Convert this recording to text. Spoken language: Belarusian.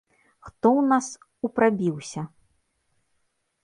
Хто ў нас у прабіўся?